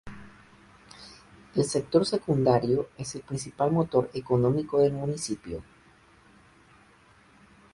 El sector secundario es el principal motor económico del municipio.